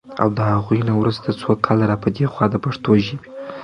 او د هغوی نه وروسته څو کاله را پدې خوا د پښتو ژبې